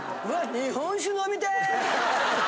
日本酒飲みてえ！